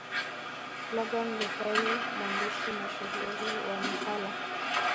Luqman Jafari mwandishi mashuhuri wa Makala